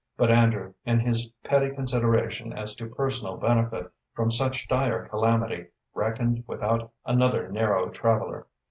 But Andrew, in his petty consideration as to personal benefit from such dire calamity, reckoned without another narrow traveller.